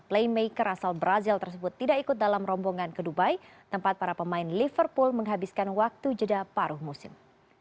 playmaker asal brazil tersebut tidak ikut dalam rombongan ke dubai tempat para pemain liverpool menghabiskan waktu jeda paruh musim